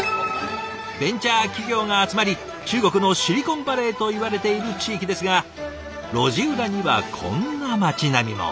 ベンチャー企業が集まり中国のシリコンバレーといわれている地域ですが路地裏にはこんな町並みも。